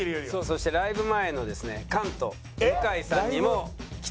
そしてライブ前のですね菅と向井さんにも来て頂きました。